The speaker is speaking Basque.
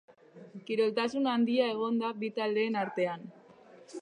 Kiroltasun handia egon da bi taldeen artean.